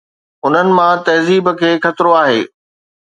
انهن مان تهذيب کي خطرو آهي